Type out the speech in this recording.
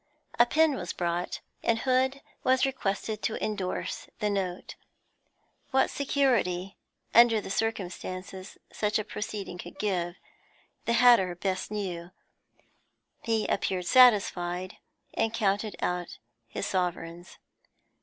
A pen was brought, and Hood was requested to endorse the note. What security under the circumstances such a proceeding could give, the hatter best knew; he appeared satisfied, and counted out his sovereigns.